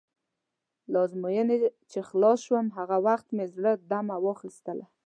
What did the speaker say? له ازموینې چې خلاص شوم، هغه وخت مې زړه دمه واخیستله.